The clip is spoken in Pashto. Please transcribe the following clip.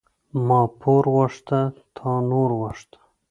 ما پور غوښته، تا نور غوښته.